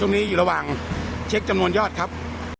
อันที่สุดท้ายก็คือภาษาอันที่สุดท้าย